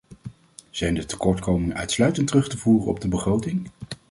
Zijn de tekortkomingen uitsluitend terug te voeren op de begroting?